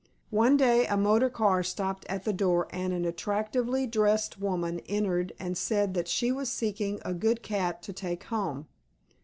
One day a motor car stopped at the door and an attractively dressed woman entered and said that she was seeking a good cat to take home.